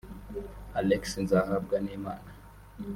Alexis Nzahabwanimana